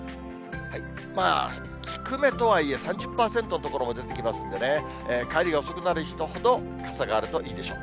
低めとはいえ、３０％の所も出てきますんでね、帰りが遅くなる人ほど、傘があるといいでしょう。